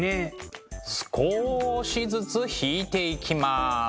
少しずつ引いていきます。